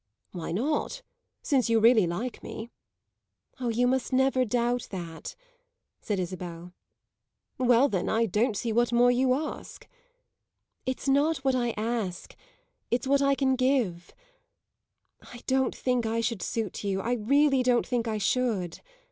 "Why not, since you really like me?" "Ah, you must never doubt that," said Isabel. "Well then, I don't see what more you ask!" "It's not what I ask; it's what I can give. I don't think I should suit you; I really don't think I should."